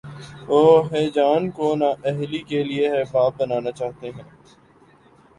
وہ ہیجان کو نا اہلی کے لیے حجاب بنانا چاہتے ہیں۔